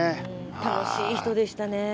楽しい人でしたね。